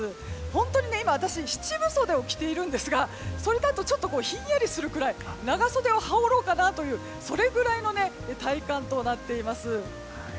本当に私七分袖を着ているんですがそれだとちょっとひんやりするくらい長袖を羽織ろうかなというくらいの体感になっています。